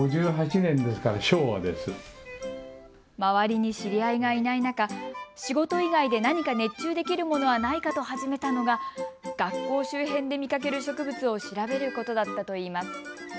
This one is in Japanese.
周りに知り合いがいない中、仕事以外で何か熱中できるものはないかと始めたのが学校周辺で見かける植物を調べることだったといいます。